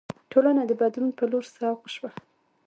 ټولنه د بدلون په لور سوق شوه.